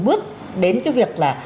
một bước đến cái việc là